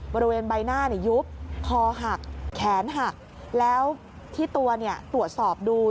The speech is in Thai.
บริเวณใบหน้ายุบคอหักแขนหักแล้วที่ตัวตรวจสอบดู